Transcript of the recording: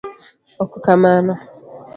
ok kamano